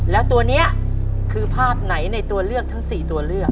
แล้วตัวนี้คือภาพไหนในตัวเลือกทั้ง๔ตัวเลือก